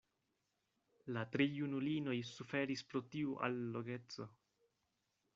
La tri junulinoj suferis pro tiu allogeco.